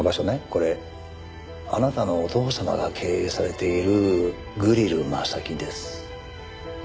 これあなたのお父様が経営されているグリル・マサキです。